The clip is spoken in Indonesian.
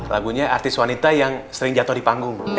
lagunya artis wanita yang sering jatuh di panggung